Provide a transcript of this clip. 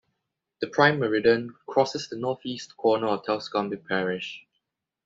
The Prime Meridian crosses the northeast corner of Telscombe parish.